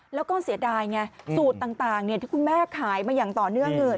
แล้วก็เสียดายไงสูตรต่างที่คุณแม่ขายมาอย่างต่อเนื่องเลย